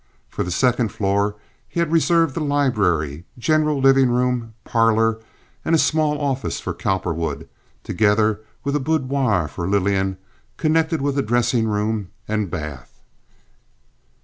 For the second floor he had reserved the library, general living room, parlor, and a small office for Cowperwood, together with a boudoir for Lillian, connected with a dressing room and bath.